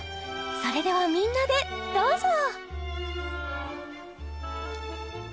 それではみんなでどうぞ！